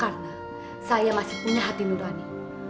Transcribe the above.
karena saya masih punya hati nurani